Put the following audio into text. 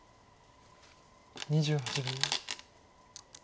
２８秒。